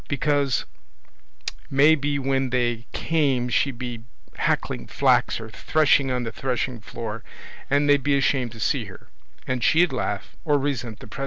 Because may be when they came she'd be hackling flax or threshing on the threshing floor, and they'd be ashamed to see her, and she'd laugh, or resent the pr